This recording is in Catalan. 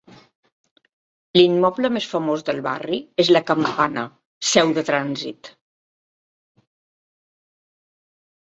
L'immoble més famós del barri és La Campana, seu de Trànsit.